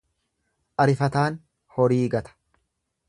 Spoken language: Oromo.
Arifataan horii gata.